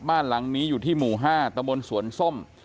บ้านหลังนี้อยู่ที่หมู่๕ตะบนสวนส้ม